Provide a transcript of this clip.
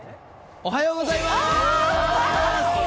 おはようございます。